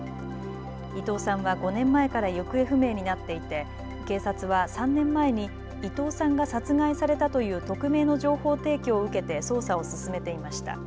伊藤さんは５年前から行方不明になっていて警察は３年前に伊藤さんが殺害されたという匿名の情報提供を受けて捜査を進めていました。